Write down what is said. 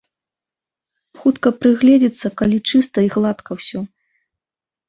Хутка прыгледзіцца, калі чыста й гладка ўсё.